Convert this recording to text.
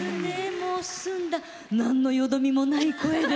もう澄んだ何のよどみもない声で。